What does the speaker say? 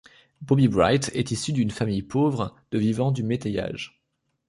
Bobby Bright est issu d'une famille pauvre de vivant du métayage.